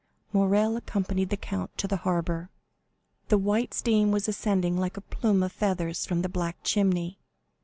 Morrel accompanied the count to the harbor. The white steam was ascending like a plume of feathers from the black chimney.